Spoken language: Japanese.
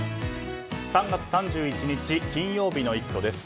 ３月３１日、金曜日の「イット！」です。